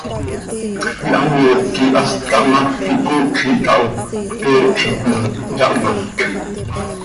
Ihamoc quih hast cahmác quih coocj ihtaho, pte htjiit ma, yahmác.